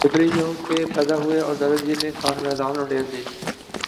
جبری یوں کہ ، پیدا ہوئے اور دادا جی نے کان میں اذان انڈیل دی